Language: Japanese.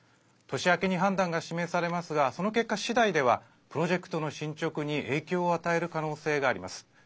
年明けに判断が示されますがその結果次第ではプロジェクトの進捗に影響を与える可能性があります。